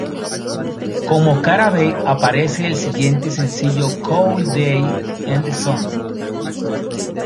Como cara B aparece el siguiente sencillo "Cold Day in the Sun".